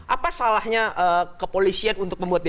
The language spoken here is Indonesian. apa salahnya kepolisian untuk membuatnya